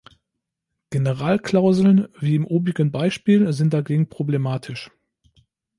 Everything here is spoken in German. Generalklauseln wie im obigen Beispiel sind dagegen problematisch.